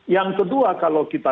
yang kedua kalau kita